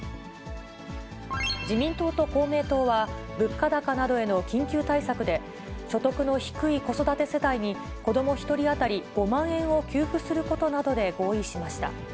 自民党と公明党は、物価高などへの緊急対策で、所得の低い子育て世帯に、子ども１人当たり５万円を給付することなどで合意しました。